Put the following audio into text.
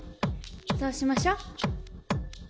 そうしましょ。